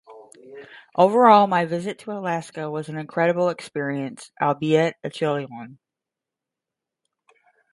Overall, my visit to Alaska was an incredible experience, albeit a chilly one.